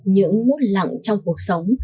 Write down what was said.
những mút lặng trong cuộc sống